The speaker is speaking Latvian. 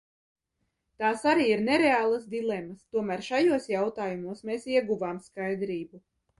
Tās arī ir nereālas dilemmas, tomēr šajos jautājumos mēs ieguvām skaidrību.